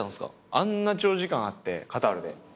あんな長時間あってカタールで。